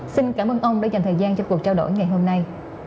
xin cảm ơn ông đã dành thời gian cho cuộc trao đổi ngày hôm nay